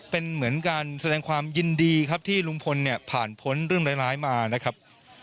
เป็นเหมือนการแสดงความยินดีครับที่ลุงพลเนี่ยผ่านพ้นเรื่องร้ายมานะครับ